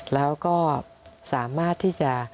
แล้วก็สามารถที่จะ